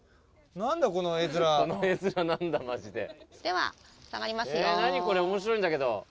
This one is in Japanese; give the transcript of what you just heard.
何これ面白いんだけど。